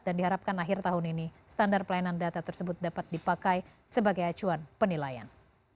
dan diharapkan akhir tahun ini standar pelayanan data tersebut dapat dipakai sebagai acuan penilaian